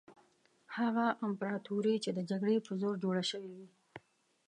هغه امپراطوري چې د جګړې په زور جوړه شوې وي.